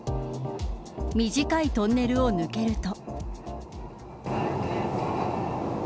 短いトンネルを抜けると。